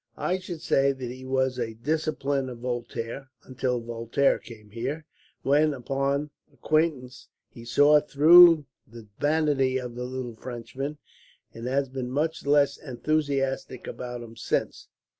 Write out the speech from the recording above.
I should say that he was a disciple of Voltaire, until Voltaire came here; when, upon acquaintance, he saw through the vanity of the little Frenchman, and has been much less enthusiastic about him since.